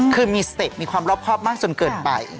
คือมีสติมีความรอบครอบมากจนเกินไป